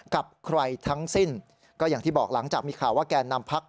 กับใครทั้งสิ้นก็อย่างที่บอกหลังจากมีข่าวว่าแกนนำพัก